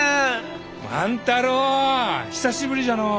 万太郎久しぶりじゃのう！